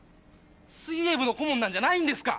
水泳部の顧問なんじゃないんですか？